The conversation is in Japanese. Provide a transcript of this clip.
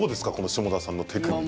下田さんのテクニック。